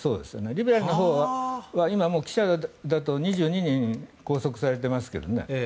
リベラルなほうは今、記者だと２２人、拘束されてますけどね。